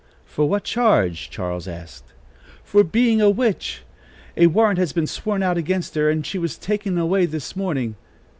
"For what charge?" Charles asked. "For being a witch. A warrant has been sworn out against her, and she was taken away this morning."